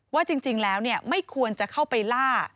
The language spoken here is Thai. ว่าจริงแล้วไม่ควรจะเข้าไปล่า